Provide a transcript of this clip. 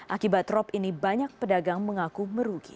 akibat rop ini banyak pedagang mengaku merugi